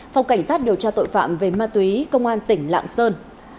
phòng cảnh sát điều tra tội phạm về ma túy công an tỉnh lạng sơn